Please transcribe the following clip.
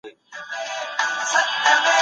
لاسونه پاک کړئ.